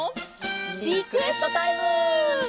リクエストタイム！